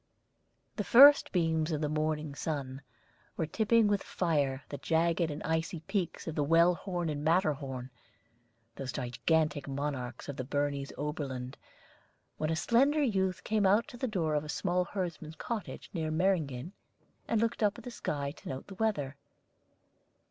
_ The first beams of the morning sun were tipping with fire the jagged and icy peaks of the Wellhorn and Matterhorn, those gigantic monarchs of the Bernese Oberland, when a slender youth came out to the door of a small herdsman's cottage near Meyringen, and looked up at the sky to note the weather.